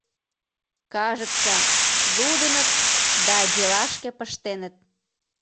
Кажется, лудыныт да делашке пыштеныт.